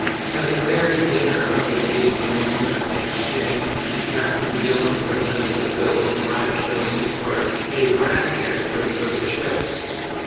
At a merry dinner of the gay gentlemen at the Exchange, Captain Gillam presents a bill of five shillings for 'a rat catcher' for the ships.